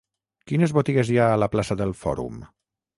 Quines botigues hi ha a la plaça del Fòrum?